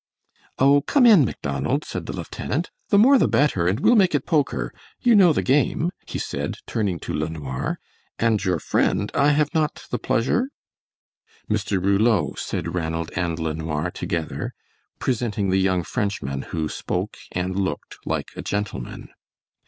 "Oh, come in Macdonald," said the lieutenant, "the more the better, and we'll make it poker. You know the game?" he said, turning to LeNoir; "and your friend I have not the pleasure " "Mr. Rouleau," said Ranald and LeNoir together, presenting the young Frenchman who spoke and looked like a gentleman.